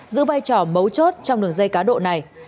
giữ vai trò mấu chốt trong đường dây cá độ này